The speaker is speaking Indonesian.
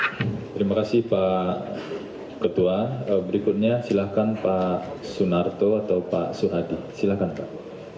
terima kasih pak ketua berikutnya silahkan pak sunarto atau pak suhadi silakan pak